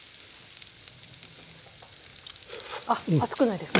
あっ熱くないですか？